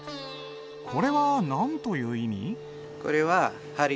これは何という意味？